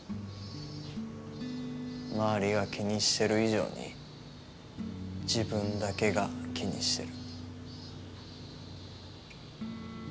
周りが気にしてる以上に自分だけが気にしてる。